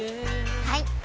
はい！